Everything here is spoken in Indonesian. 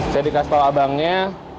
saya dikasih tahu abangnya